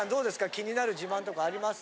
気になる自慢とかあります？